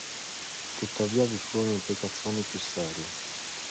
Tuttavia vi furono implicazioni più serie.